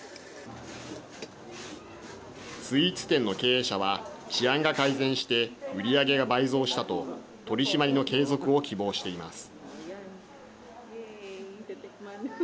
スイーツ店の経営者は治安が改善して売り上げが倍増したと取締りの継続を希望しています。